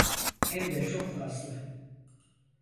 Hem de çok fazla.